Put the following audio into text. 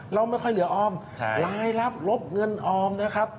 เราไม่ค่อยเหลือออมรายลับลบเงินออมนะครับ